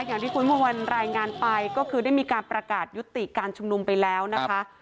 อย่างที่คุณพระวันรายงานไปก็คือได้มีการประกาศยุติการชุมนุมไปแล้วนะคะ